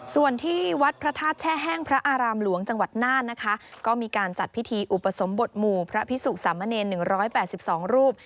ส่วนที่วัดพระธาตุแช่แห้งพระอารามหลวงจังหวัดน่านนะคะก็มีการจัดพิธีอุปสมบทหมู่พระพิสุสามเนร๑๘๒รูป